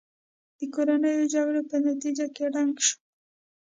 د کورنیو جګړو په نتیجه کې ړنګ شو.